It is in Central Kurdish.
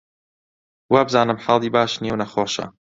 وابزانم حاڵی باش نییە و نەخۆشە